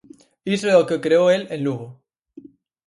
Iso é o que creou el en Lugo.